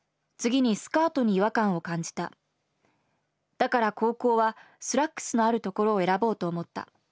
だから高校はスラックスのある所を選ぼうと思った。